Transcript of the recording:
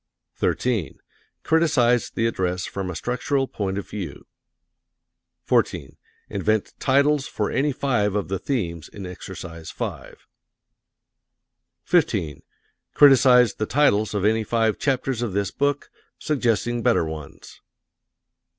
13. Criticise the address from a structural point of view. 14. Invent titles for any five of the themes in Exercise 5. 15. Criticise the titles of any five chapters of this book, suggesting better ones.